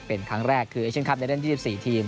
เป็นครั้งแรกคือเอเชียนครับจะได้เล่นที่สิบสี่ทีม